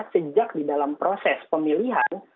sejak di dalam proses pemilihan